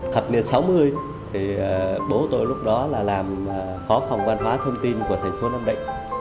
thập niên sáu mươi thì bố tôi lúc đó là làm phó phòng văn hóa thông tin của thành phố nam định